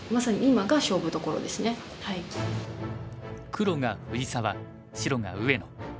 黒が藤沢白が上野。